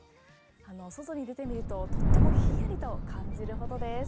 外に出てみるととてもひんやりと感じるほどです。